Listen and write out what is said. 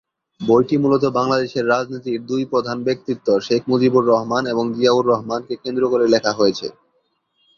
বইটি মূলত বাংলাদেশের রাজনীতির দুই প্রধান ব্যক্তিত্ব শেখ মুজিবুর রহমান এবং জিয়াউর রহমানকে কেন্দ্র করে লেখা হয়েছে।